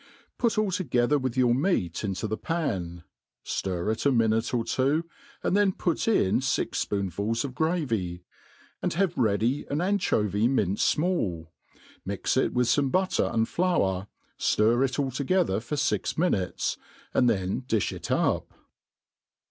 Put altogether with your meat into the pan, fiir it a minute or two, and then put in fix fpoonfuls of gravy, and have ready an anchovy minced fmall ; mix it with fome butter and £our, ftir ic altogether for fix oninutes, and then difh it up.